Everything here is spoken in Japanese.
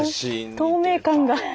透明感が。